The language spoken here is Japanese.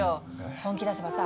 本気出せばさ